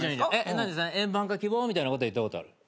円盤化希望みたいなこと言ったことある？